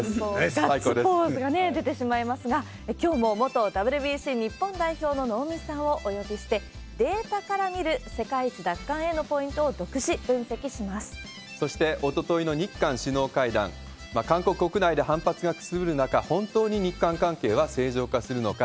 ガッツポーズが出てしまいますが、きょうも元ＷＢＣ日本代表の能見さんをお呼びして、データから見る、世界一奪還へのポインそして、おとといの日韓首脳会談、韓国国内で反発がくすぶる中、本当に日韓関係は正常化するのか。